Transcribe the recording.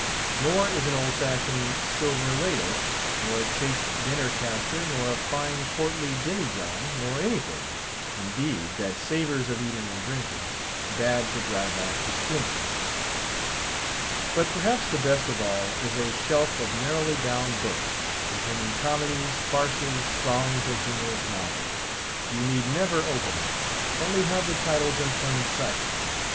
Nor is an old fashioned silver ladle, nor a chased dinner castor, nor a fine portly demijohn, nor anything, indeed, that savors of eating and drinking, bad to drive off the spleen. But perhaps the best of all is a shelf of merrily bound books, containing comedies, farces, songs, and humorous novels. You need never open them; only have the titles in plain sight.